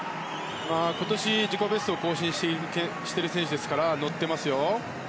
今年、自己ベストを更新している選手ですから乗っていますよ。